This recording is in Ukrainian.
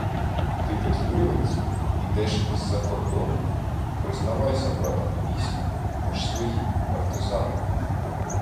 — Ти петлюрівець? Ідеш із-за кордону? Признавайся, брате, не бійся! Ми ж свої! Партизани!